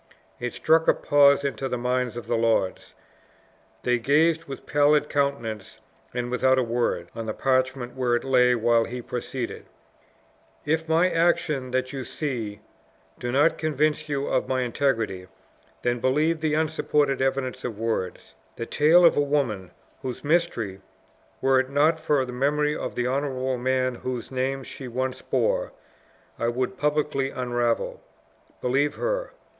It struck a pause into the minds of the lords; they gazed with pallid countenances, and without a word, on the parchment where it lay, while he proceeded: "If my actions that you see, do not convince you of my integrity, then believe the unsupported evidence of words, the tale of a woman, whose mystery, were it not for the memory of the honorable man whose name she once bore, I would publicly unravel believe her!